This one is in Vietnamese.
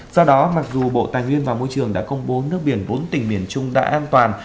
do đó mặc dù bộ tài nguyên và môi trường đã công bố nước biển bốn tỉnh miền trung đã an toàn